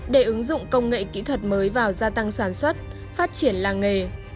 để ứng dụng công nghệ kỹ thuật mới vào gia tăng sản xuất phát triển làng nghề